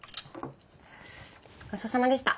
ごちそうさまでした。